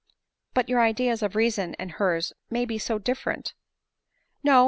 " But your ideas of reason and hers may be so differ ent *" No.